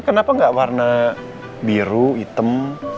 kenapa nggak warna biru hitam